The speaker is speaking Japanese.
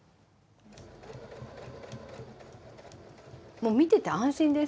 もう見てて安心です。